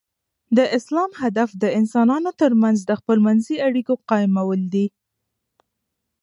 د اسلام هدف د انسانانو تر منځ د خپل منځي اړیکو قایمول دي.